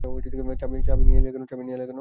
চাবি নিয়ে এলি কেন?